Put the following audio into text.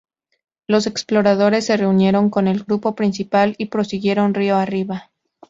Los exploradores se reunieron con el grupo principal y prosiguieron río arriba.